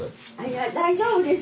いや大丈夫です。